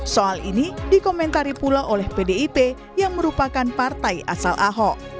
soal ini dikomentari pula oleh pdip yang merupakan partai asal ahok